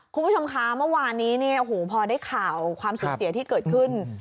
คุณผู้ชมคะเมื่อวานนี้เนี่ยโอ้โหพอได้ข่าวความสูญเสียที่เกิดขึ้น